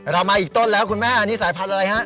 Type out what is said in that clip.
เรามาอีกต้นแล้วคุณแม่อันนี้สายพันธุ์อะไรฮะ